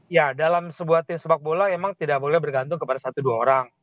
ya dalam sebuah tim sepak bola memang tidak boleh bergantung kepada satu dua orang